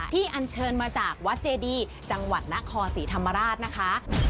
อันเชิญมาจากวัดเจดีจังหวัดนครศรีธรรมราชนะคะ